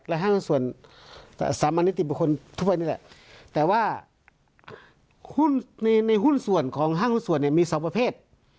และห้างหุ้นส่วนสามอันนี้ติดเป็นคนทุกคนเนี่ยแหละแต่ว่าหุ้นในหุ้นส่วนของห้างหุ้นส่วนเนี่ยมีสามประเภท